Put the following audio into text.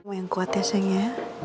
kamu yang kuat ya sayang ya